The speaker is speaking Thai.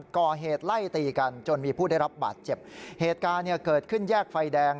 ก่อเหตุไล่ตีกันจนมีผู้ได้รับบาดเจ็บเหตุการณ์เนี่ยเกิดขึ้นแยกไฟแดง